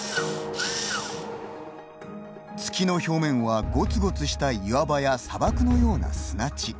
月の表面は、ゴツゴツした岩場や砂漠のような砂地。